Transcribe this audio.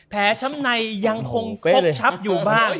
แผลช้ำในยังคงพกช้ำอยู่บ้าง